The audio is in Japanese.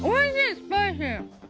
スパイシー。